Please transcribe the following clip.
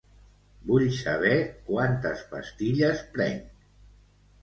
Vull saber quantes pastilles prenc.